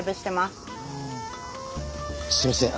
すいません